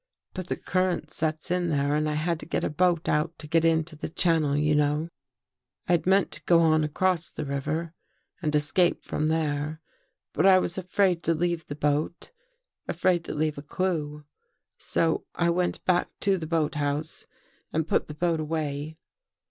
But the current sets in there and I had to get a boat out to get into the channel, you know. " I had meant to go on across the river and escape from there, but I was afraid to leave the boat — afraid to leave a clue. So I went back to the boat house and put the boat away.